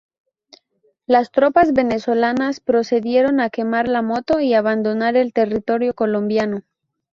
Las tropas venezolanas procedieron a quemar la moto y abandonar el territorio colombiano.